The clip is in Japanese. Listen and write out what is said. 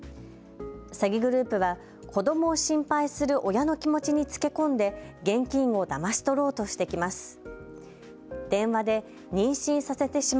詐欺グループは子どもを心配する親の気持ちにつけ込んで現金をだまし取ろうとしてきます。